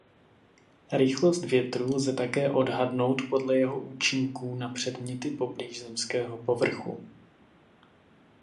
Rychlost větru lze také odhadnout podle jeho účinků na předměty poblíž zemského povrchu.